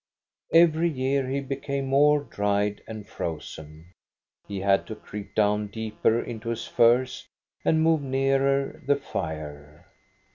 Every year he became more dried and frozen. He had to creep down deeper into his furs and move nearer the fire.